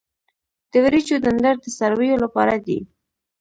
د وریجو ډنډر د څارویو لپاره دی.